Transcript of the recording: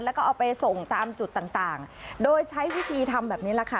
แล้วก็เอาไปส่งตามจุดต่างต่างโดยใช้วิธีทำแบบนี้แหละค่ะ